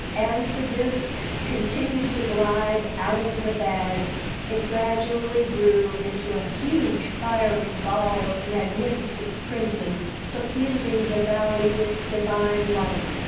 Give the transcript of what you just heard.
As the disk continued to glide out of the bag it gradually grew into a huge fiery ball of magnificent crimson, suffusing the valley with divine light.